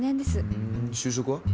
ふん就職は？